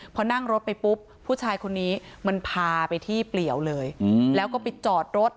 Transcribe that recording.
พอนั่งรถไปปุ๊บผู้ชายคนนี้มันพาไปที่เปลี่ยวเลยแล้วก็ไปจอดรถ